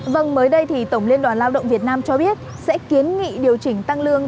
vâng mới đây thì tổng liên đoàn lao động việt nam cho biết sẽ kiến nghị điều chỉnh tăng lương